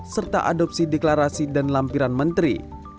serta adopsi deklarasi dan lampiran menteri